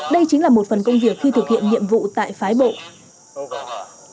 đây chính là một phần công việc khi thực hiện nhiệm vụ tại phái bộ